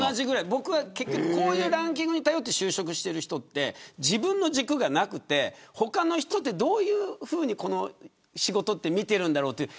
僕は結局こういうランキングに頼って就職をしている人って自分の軸がなくて他の人ってどういうふうにこの仕事って見ているんだろうという